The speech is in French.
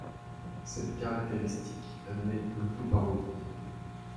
Cette caractéristique admet l'auto-parodie.